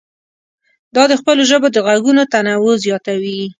دا د خپلو ژبو د غږونو تنوع زیاتوي.